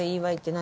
何？